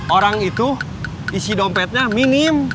orang itu isi dompetnya minim